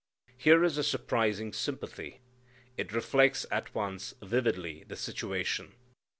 Here is a surprising sympathy. It reflects at once vividly the situation.